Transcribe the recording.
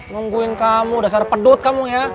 nungguin kamu udah serpedut kamu ya